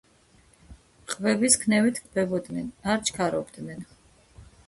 ყბების ქნევით ტკბებოდნენ. არ ჩქარობდნენ.